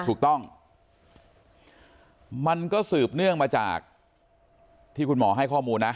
ถูกต้องมันก็สืบเนื่องมาจากที่คุณหมอให้ข้อมูลนะ